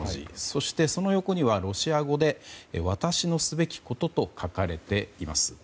そして、その横にロシア語で私のすべきことと書かれています。